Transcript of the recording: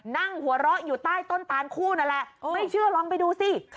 นั่งหัวเราะอยู่ใต้ต้นตานคู่นั่นแหละไม่เชื่อลองไปดูสิ